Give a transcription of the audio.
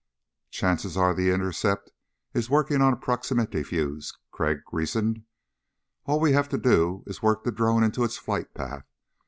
"Chances are the intercept is working on a proximity fuse," Crag reasoned. "All we'd have to do is work the drone into its flight path.